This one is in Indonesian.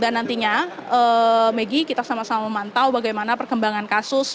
dan nantinya megi kita sama sama memantau bagaimana perkembangan kasus